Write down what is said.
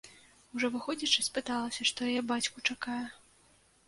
Ужо выходзячы, спыталася, што яе бацьку чакае.